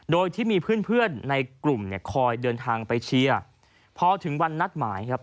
โดยที่มีเพื่อนเพื่อนในกลุ่มเนี่ยคอยเดินทางไปเชียร์พอถึงวันนัดหมายครับ